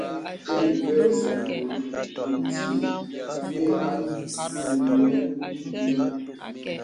Tɛn ìpēy osə̀ ngùl nti yə̀ à anɛ̄nàŋ.